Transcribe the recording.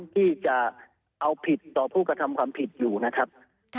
ที่จะเอาผิดต่อผู้กระทำความผิดอยู่นะครับ